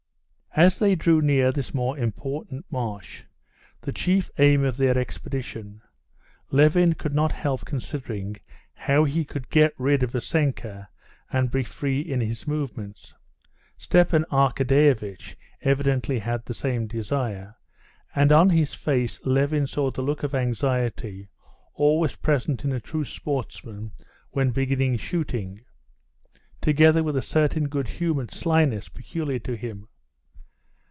As they drew near this more important marsh, the chief aim of their expedition, Levin could not help considering how he could get rid of Vassenka and be free in his movements. Stepan Arkadyevitch evidently had the same desire, and on his face Levin saw the look of anxiety always present in a true sportsman when beginning shooting, together with a certain good humored slyness peculiar to him.